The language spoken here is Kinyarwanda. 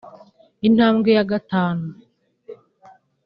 Intambwe ya gatanu